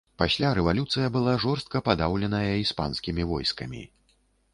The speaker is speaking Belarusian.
Пасля рэвалюцыя была жорстка падаўленая іспанскімі войскамі.